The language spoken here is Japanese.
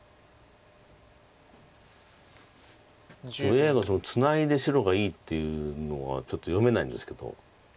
ＡＩがツナいで白がいいっていうのがちょっと読めないんですけど。